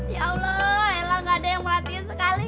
ya allah ella ga ada yang ngelatiin sekali